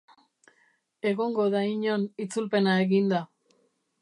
Egongo da inon itzulpena eginda.